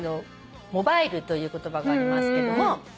モバイルという言葉がありますけども。